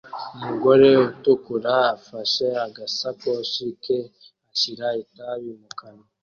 Umugore utukura afashe agasakoshi ke ashyira itabi mu kanwa